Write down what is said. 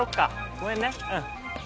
ごめんねうん。